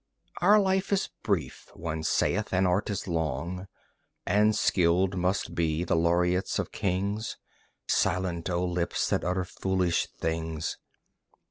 Our life is brief, one saith, and art is long; And skilled must be the laureates of kings. Silent, O lips that utter foolish things!